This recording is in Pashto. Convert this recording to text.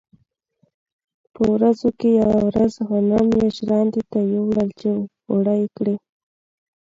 په ورځو کې یوه ورځ غنم یې ژرندې ته یووړل چې اوړه کړي.